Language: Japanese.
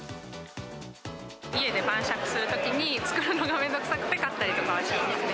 家で晩酌するときに作るのが面倒臭くて買ったりとかはしますね。